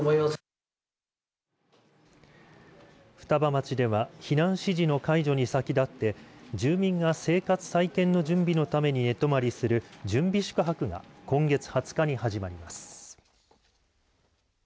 双葉町では避難指示の解除に先立って住民が生活再建の準備のために寝泊まりする準備宿泊が今月２０日に始まります。